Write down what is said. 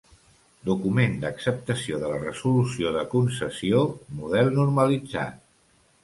Document d'acceptació de la Resolució de concessió, model normalitzat.